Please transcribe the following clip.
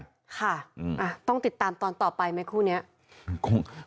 ค่ะต้องติดตามตอนต่อไปไหมคู่นี้